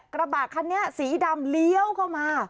กระบะคันนี้สีดำเลี้ยวเข้ามา